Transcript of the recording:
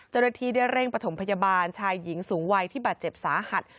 เจ้าหน้าที่ได้เร่งประถมพยาบาลชายหญิงสูงวัยที่บาดเจ็บสาหัส